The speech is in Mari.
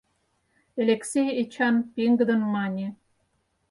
Элексей Эчан пеҥгыдын мане: